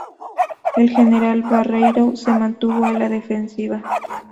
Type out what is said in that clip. El general Barreiro se mantuvo a la defensiva.